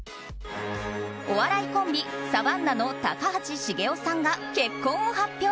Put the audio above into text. お笑いコンビ、サバンナの高橋茂雄さんが結婚を発表！